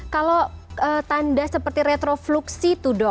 kalau tanda seperti retro fluksi itu dok